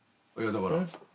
だから。